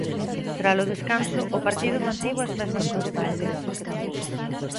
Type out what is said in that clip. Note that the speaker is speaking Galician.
Tralo descanso, o partido mantivo as mesmas constantes.